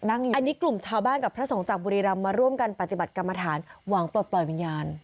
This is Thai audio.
อันนี้กลุ่มชาวบ้านกับพระสงฆ์จากบุรีรำมาร่วมกันปฏิบัติกรรมฐานหวังปลดปล่อยวิญญาณ